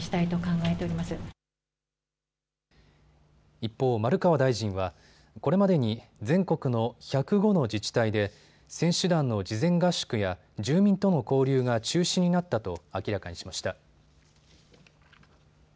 一方、丸川大臣はこれまでに全国の１０５の自治体で選手団の事前合宿や住民との交流が中止になったと明らかにしました。